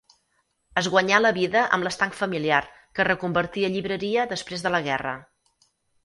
Es guanyà la vida amb l'estanc familiar, que reconvertí a llibreria després de la guerra.